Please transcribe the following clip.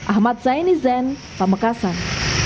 ahmad zaini zen pemekasan